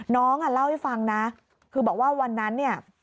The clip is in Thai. น้องอ่ะเล่าให้ฟังนะคือบอกว่าวันนั้นเนี่ย